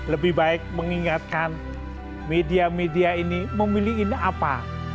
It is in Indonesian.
lebih baik mengingatkan media media ini memilih ini apa